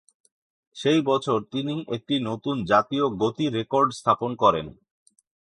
সেই বছর, তিনি একটি নতুন জাতীয় গতি রেকর্ড স্থাপন করেন।